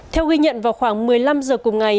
theo ghi nhận vào khoảng một mươi năm giờ cùng ngày